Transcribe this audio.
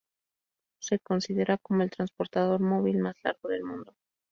Se considera como el transportador móvil más largo del mundo.